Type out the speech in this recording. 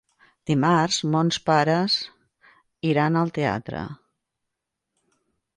Dimarts mons pares iran al teatre.